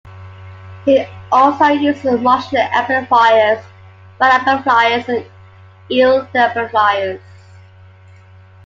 He also uses Marshall Amplifiers, Rhino amplifiers and Engl amplifiers.